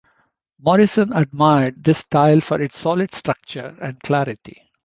Morison admired this style for its solid structure and clarity.